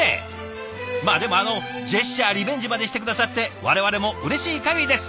まあでもジェスチャーリベンジまでして下さって我々もうれしいかぎりです。